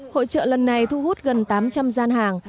hội trợ lần này thu hút gần tám trăm linh gian hàng